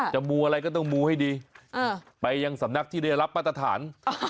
มูอะไรก็ต้องมูให้ดีไปยังสำนักที่ได้รับมาตรฐาน